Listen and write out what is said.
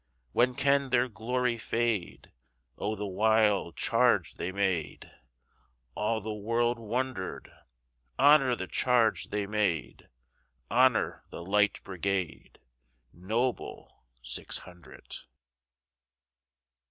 When can their glory fade?O the wild charge they made! All the world wonder'd. Honor the charge they made! Honor the Light Brigade, Noble six hundred!